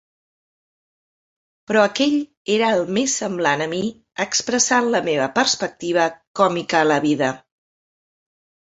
Però aquell era el més semblant a mi expressant la meva perspectiva còmica a la vida.